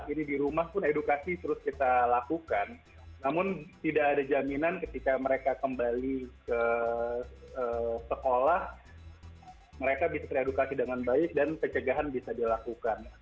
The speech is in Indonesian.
ini di rumah pun edukasi terus kita lakukan namun tidak ada jaminan ketika mereka kembali ke sekolah mereka bisa teredukasi dengan baik dan pencegahan bisa dilakukan